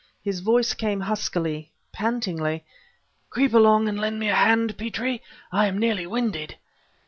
His voice came huskily, pantingly: "Creep along and lend me a hand, Petrie! I am nearly winded."